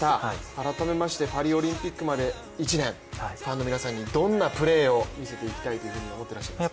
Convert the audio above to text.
改めましてパリオリンピックまで１年、ファンの皆さんにどんなプレーを見せていきたいと思っていらっしゃいますか？